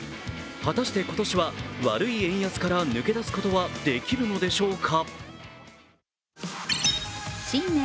果たして今年は悪い円安から抜け出すことはできるのでしょうか？